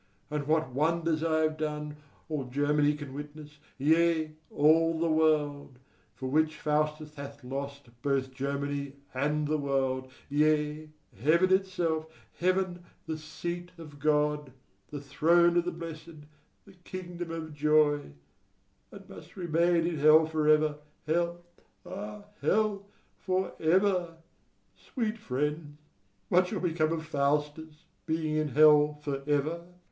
and what wonders I have done, all Germany can witness, yea, all the world; for which Faustus hath lost both Germany and the world, yea, heaven itself, heaven, the seat of God, the throne of the blessed, the kingdom of joy; and must remain in hell for ever, hell, ah, hell, for ever! Sweet friends, what shall become of Faustus, being in hell for ever? THIRD SCHOLAR.